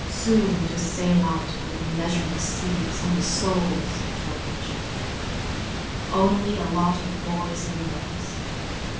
Soon to sail out over the measureless seas, On the Soul's voyage. Only a lot of boys and girls?